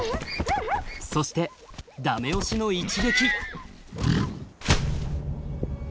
そして駄目押しの一撃。